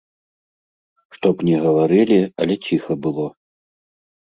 Што б ні гаварылі, але ціха было.